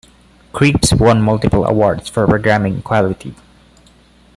"Creeps" won multiple awards for programming quality.